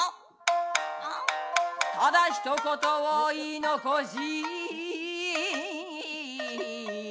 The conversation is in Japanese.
ただひと言を云い残し